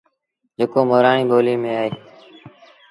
جيڪو مورآڻي ٻوليٚ ميݩ اهي